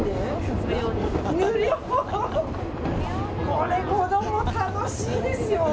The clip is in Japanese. これ、子供、楽しいですよ！